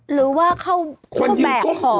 หรือว่านอกแบบของ